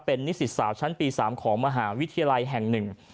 เป็นนิสิตสาวชั้นปี๓ของมหาวิทยาลัยแห่งหนึ่ง